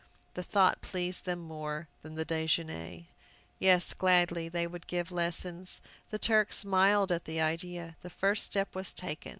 The thought pleased them more than the déjeûner. Yes, gladly would they give lessons. The Turk smiled at the idea. The first step was taken.